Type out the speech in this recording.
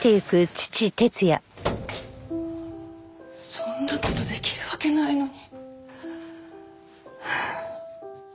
そんな事できるわけないのに。